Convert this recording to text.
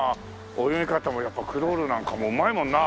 泳ぎ方もやっぱクロールなんかもうまいもんな。